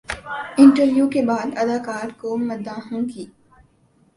interview کے بعد اداکار کو مداحوں کی